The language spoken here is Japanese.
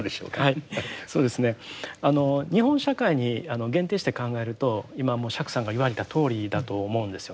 はいそうですね日本社会に限定して考えると今もう釈さんが言われたとおりだと思うんですよね。